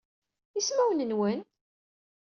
Ismawen-nwen?